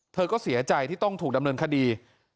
เธอก็เสียใจที่ต้องถูกดำเนินคดี